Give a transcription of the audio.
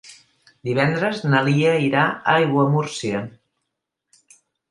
Divendres na Lia irà a Aiguamúrcia.